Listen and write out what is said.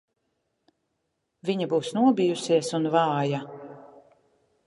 Viņa būs nobijusies un vāja.